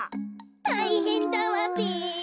たいへんだわべ。